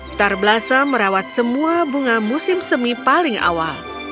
star blossom merawat semua bunga musim semi paling awal